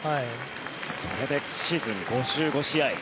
それでシーズン５５試合。